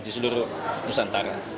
di seluruh nusantara